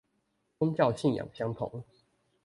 宗教信仰相同